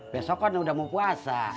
besok kan udah mau puasa